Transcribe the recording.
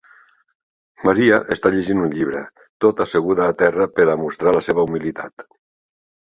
Maria està llegint un llibre, tot asseguda a terra per a mostrar la seva humilitat.